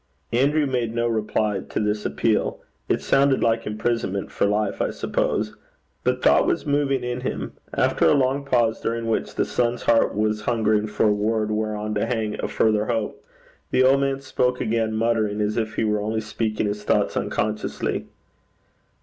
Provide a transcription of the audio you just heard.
Andrew made no reply to this appeal. It sounded like imprisonment for life, I suppose. But thought was moving in him. After a long pause, during which the son's heart was hungering for a word whereon to hang a further hope, the old man spoke again, muttering as if he were only speaking his thoughts unconsciously.